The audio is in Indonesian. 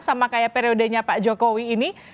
sama kayak periodenya pak jokowi ini